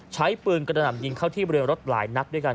ใช้ปืนกระหน่ำยิงเข้าที่บริเวณรถหลายนัดด้วยกัน